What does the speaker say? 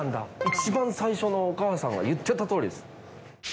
一番最初のお母さんが言ってたとおりです。